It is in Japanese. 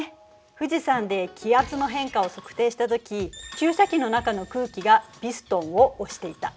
富士山で気圧の変化を測定した時注射器の中の空気がピストンを押していた。